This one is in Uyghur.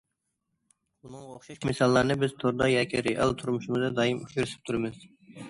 بۇنىڭغا ئوخشاش مىساللارنى بىز توردا ياكى رېئال تۇرمۇشىمىزدا دائىم ئۇچرىتىپ تۇرىمىز.